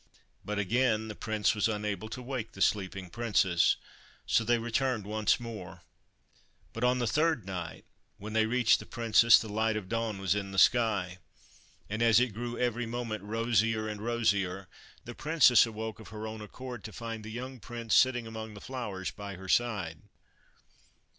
But again the Prince was unable to wake the sleeping Princess, so they returned once more. But, on the third night, when they reached the Princess, the light of dawn was in the sky, and, as it grew every moment rosier and rosier, the Princess awoke of her own accord to find the young Prince sitting among the flowers by her side.